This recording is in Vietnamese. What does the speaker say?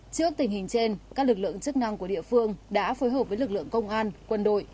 trước tình hình trên các lực lượng chức năng của địa phương đã phối hợp với lực lượng công an quân đội